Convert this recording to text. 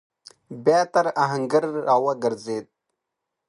بيا تر آهنګر راوګرځېد.